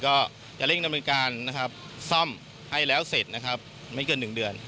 ก็จะเร่งดำเนินการนะครับซ่อมให้แล้วเสร็จนะครับไม่เกิน๑เดือน